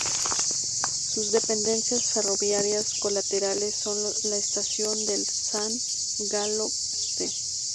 Sus dependencias ferroviarias colaterales son la estación de San Galo St.